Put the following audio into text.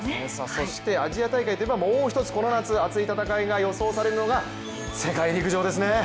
そしてアジア大会といえばもう一つ、この夏、熱い戦いが予想されるのが世界陸上ですね。